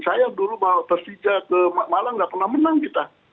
saya dulu tersija ke malang tidak pernah menang kita